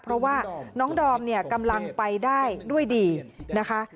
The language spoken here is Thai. เพราะว่าน้องดอมเนี่ยกำลังไปได้ด้วยดีนะคะ